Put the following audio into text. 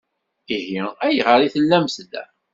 Ihi ayɣer i tellamt da?